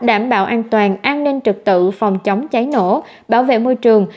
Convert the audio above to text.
đảm bảo an toàn an ninh trực tự phòng chống cháy nổ bảo vệ môi trường